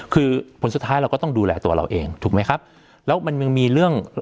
คือผลสุดท้ายเราก็ต้องดูแลตัวเราเองถูกไหมครับแล้วมันยังมีเรื่อง